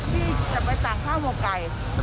ที่จะไปสั่งข้าวหมวกไก่